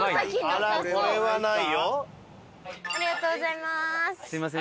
ありがとうございます。